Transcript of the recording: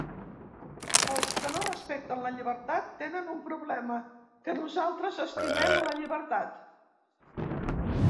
Els que no respecten la llibertat, tenen un problema, que nosaltres estimem la llibertat.